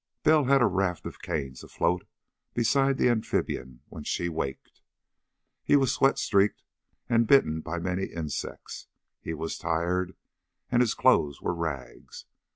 Bell had a raft of canes afloat beside the amphibian when she waked. He was sweat streaked and bitten by many insects. He was tired, and his clothes were rags.